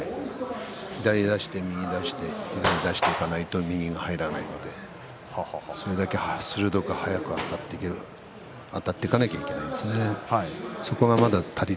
左を出して右を出して左を出していかないと右が入らないのでそれだけ鋭く速くあたっていかなければいけないですね。